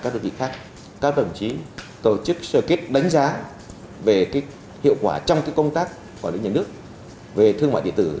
đối với các sản giao dịch thương mại điện tử